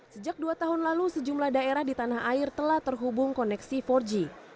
sejak dua tahun lalu sejumlah daerah di tanah air telah terhubung koneksi empat g